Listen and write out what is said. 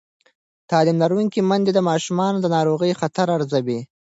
تعلیم لرونکې میندې د ماشومانو د ناروغۍ خطر ارزوي.